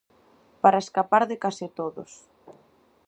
Para escapar de case todos.